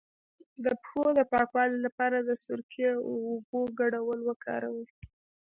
د پښو د پاکوالي لپاره د سرکې او اوبو ګډول وکاروئ